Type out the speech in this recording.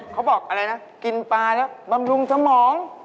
เขาบอกอะไรนะกินปลาแล้วบำรุงสมอง